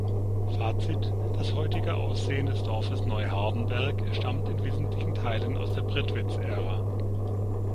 Fazit: Das heutige Aussehen des Dorfes Neuhardenberg stammt in wesentlichen Teilen aus der Prittwitz-Ära.